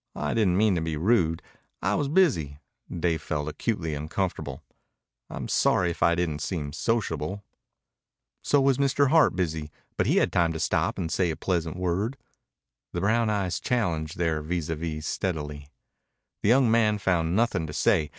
'" "I didn't mean to be rude. I was busy." Dave felt acutely uncomfortable. "I'm sorry if I didn't seem sociable." "So was Mr. Hart busy, but he had time to stop and say a pleasant word." The brown eyes challenged their vis à vis steadily. The young man found nothing to say.